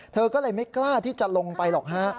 เธอก็เลยไม่กล้าที่จะลงไปหรอกฮะ